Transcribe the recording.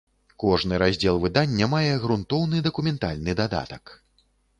Кожны раздзел выдання мае грунтоўны дакументальны дадатак.